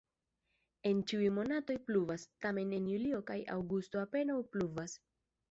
En ĉiuj monatoj pluvas, tamen en julio kaj aŭgusto apenaŭ pluvas.